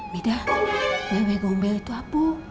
beda wewe gombel itu apa